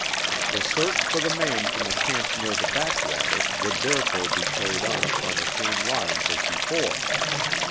The search for the man from the camp near the backwater would therefore be carried on upon the same lines as before.